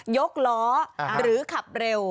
ยกล้อหรือขับเร็ว